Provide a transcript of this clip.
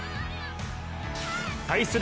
対する